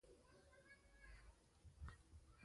افغانستان د رسوب د بېلابېلو ډولونو له امله شهرت لري.